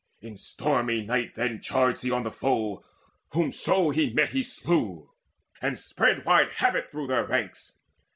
In stormy might Then charged he on the foe: whomso he met He slew, and spread wide havoc through their ranks.